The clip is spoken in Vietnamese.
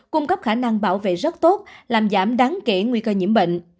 cung cấp khả năng bảo vệ rất tốt làm giảm đáng kể nguy cơ nhiễm bệnh